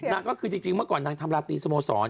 นางก็คือจริงเมื่อก่อนนางทำราตรีสโมสร